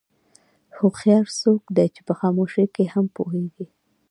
هوښیار څوک دی چې په خاموشۍ کې هم پوهېږي.